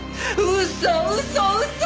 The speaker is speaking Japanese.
嘘嘘嘘！